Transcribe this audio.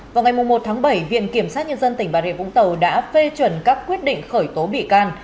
vào ngày một tháng bảy viện kiểm sát nhân dân tỉnh bà rịa vũng tàu đã phê chuẩn các quyết định khởi tố bị can